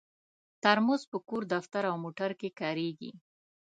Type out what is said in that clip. ترموز په کور، دفتر او موټر کې کارېږي.